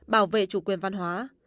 bảo vệ chủ quyền văn hóa